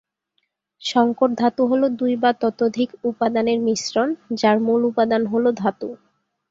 সংকর ধাতু হল দুই বা ততোধিক উপাদানের মিশ্রণ, যার মূল উপাদান হল ধাতু।